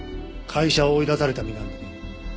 会社を追い出された身なんでね。